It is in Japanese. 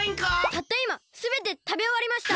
たったいますべてたべおわりました！